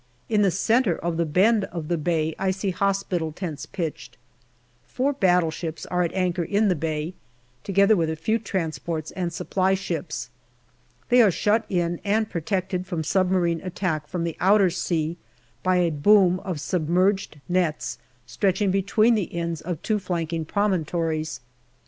In the centre of the bend of the bay I see hospital tents pitched. Four battleships are at anchor in the bay, together with a few transports and Supply ships. They are shut in and protected from submarine attack from the outer sea by a boom of submerged nets stretching between the ends of two flanking promontories.